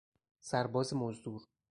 سرباز مزدور